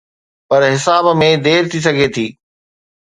پر حساب ۾ دير ٿي سگهي ٿي.